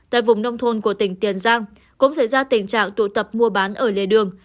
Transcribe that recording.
tại vùng nông thôn của tỉnh tiền giang cũng xảy ra tình trạng tụ tập mua bán ở lề đường